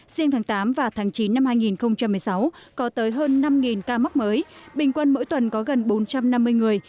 riêng tháng tám và tháng chín năm hai nghìn một mươi sáu có tới hơn năm ca mắc mới bình quân mỗi tuần có gần bốn trăm năm mươi người